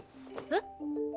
えっ？